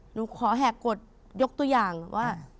หนูขอแหกกฎยกตัวอย่างว่า